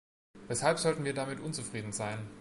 Weshalb sollten wir damit unzufrieden sein?